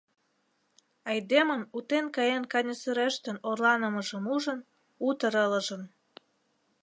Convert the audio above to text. Айдемын утен каен каньысырештын орланымыжым ужын, утыр ылыжын.